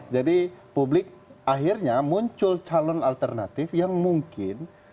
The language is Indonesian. jadi publik akhirnya muncul calon alternatif yang mungkin